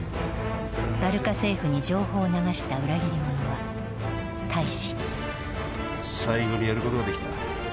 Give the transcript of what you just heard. バルカ政府に情報を流した裏切り者は大使最後にやることができた